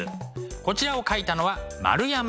こちらを描いたのは円山応挙。